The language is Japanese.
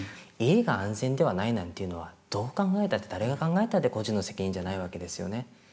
家が安全ではないなんていうのはどう考えたって誰が考えたって個人の責任じゃないわけですよね。